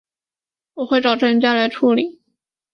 我会找专家来处理